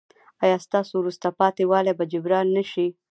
ایا ستاسو وروسته پاتې والی به جبران نه شي؟